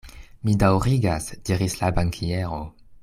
Mi daŭrigas, diris la bankiero.